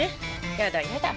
やだやだ。